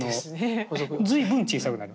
随分小さくなる。